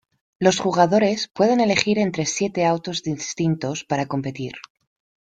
Los jugadores pueden elegir entre siete autos distintos para competir.